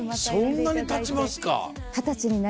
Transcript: そんなにたちますか？